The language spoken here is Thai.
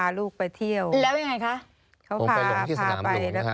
มึงไปหลวงที่สนามหลวง